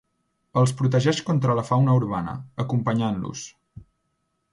Els protegeix contra la fauna urbana, acompanyant-los.